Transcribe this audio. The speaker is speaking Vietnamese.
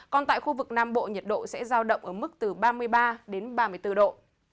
còn tại khu vực nam bộ nhiệt độ sẽ giao động ở mức từ ba mươi ba đến ba mươi bốn độ